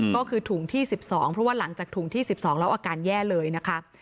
ก็คือถุงที่๑๒เพราะว่าหลังจากถุงที่๑๒แล้วอาการแย่เลยนะคะ